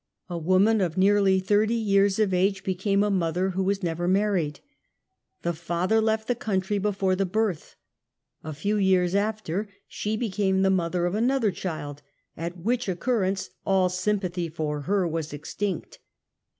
A woman of nearly thirty years of age became a mother who* was never married. The father left the country be fore the birth. A few years after she became the mother of another child, at which occurrence all sympathy for her was extinct.